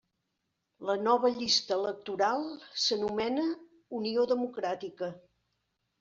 La nova llista electoral s'anomena Unió Democràtica.